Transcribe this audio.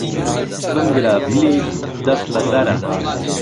بم گرە، بلی: دەست بەسەرە.